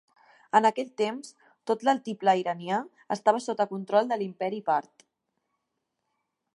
En aquell temps, tot l'altiplà iranià estava sota control de l'imperi Part.